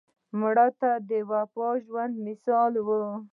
مړه د وفا ژوندي مثال وه